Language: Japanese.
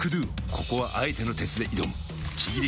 ここはあえての鉄で挑むちぎり